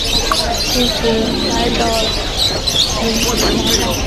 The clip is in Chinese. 妻子来找寅次郎帮忙。